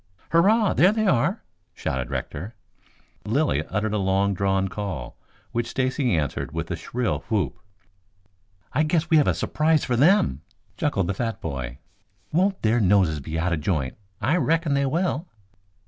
"Hurrah! There they are," shouted Rector. Lilly uttered a long drawn call, which Stacy answered with a shrill whoop. "I guess we have a surprise for them," chuckled the fat boy. "Won't their noses be out of joint? I reckon they will."